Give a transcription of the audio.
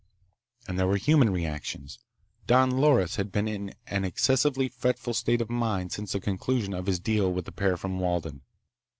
And there were human reactions. Don Loris had been in an excessively fretful state of mind since the conclusion of his deal with the pair from Walden.